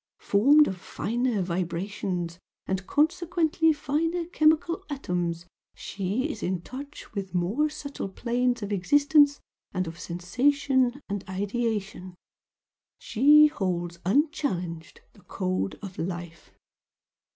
Formed of finer vibrations and consequently finer chemical atoms she is in touch with more subtle planes of existence and of sensation and ideation. She holds unchallenged the code of Life."